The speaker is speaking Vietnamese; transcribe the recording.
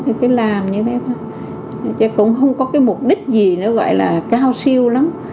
cứ làm như thế thôi chứ cũng không có cái mục đích gì nữa gọi là cao siêu lắm